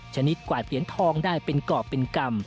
ชนิดกวาดเหรียญทองได้เป็นกรอบเป็นกรรม